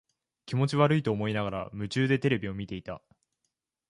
気持ち悪いと思いながら、夢中でテレビを見ていた。